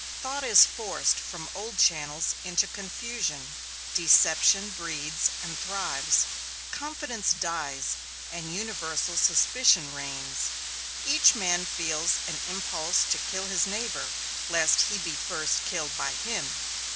Thought is forced from old channels into confusion. Deception breeds and thrives. Confidence dies and universal suspicion reigns. Each man feels an impulse to kill his neighbor, lest he be first killed by him.